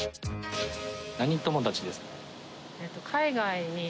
何友達ですか？